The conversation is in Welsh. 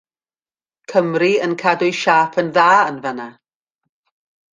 Cymru yn cadw'u siâp yn dda yn fan 'na.